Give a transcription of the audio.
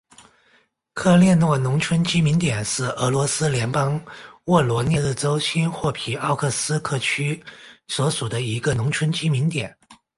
科列诺农村居民点是俄罗斯联邦沃罗涅日州新霍皮奥尔斯克区所属的一个农村居民点。